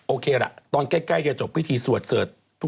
โอเคล่ะตอนใกล้จะจบพิธีสวดเสิร์ช